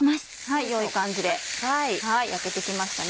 良い感じで焼けて来ましたね。